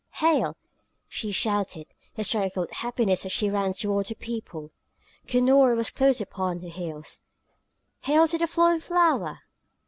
"Hail!" she shouted, hysterical with happiness as she ran toward her people. Cunora was close upon her heels. "Hail to the flowing flower!"